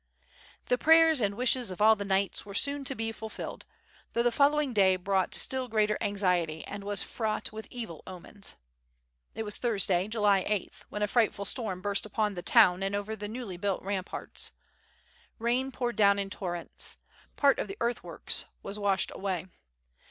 The prayers and wishes of all the knights were soon to be fulfilled, though the following day brought still greater anxiety and was fraught with evil omens. It was Thursday, July 8th, when a frightful storm burst upon the town and over the newly built ramparts. Rain poured down in tor rents. Part of the earthworks was washed away.